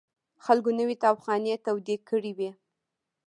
خلکو نوې تاوخانې تودې کړې وې.